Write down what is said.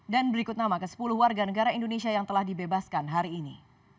dan berikut nama ke sepuluh warga negara indonesia yang telah dibebaskan hari ini